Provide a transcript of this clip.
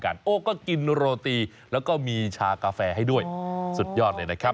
โอ้ก็กินโรตีแล้วก็มีชากาแฟให้ด้วยสุดยอดเลยนะครับ